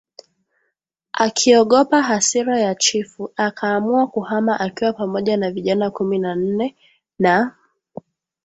akiogopa hasira ya chifu akaamua kuhama akiwa pamoja na vijana kumi na nne na